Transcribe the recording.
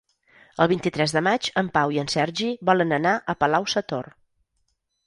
El vint-i-tres de maig en Pau i en Sergi volen anar a Palau-sator.